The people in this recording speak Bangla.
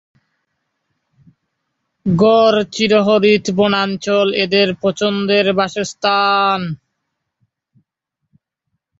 ঘন চিরহরিৎ বনাঞ্চল এদের পছন্দের বাসস্থান।